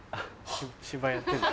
芝居やってんだ。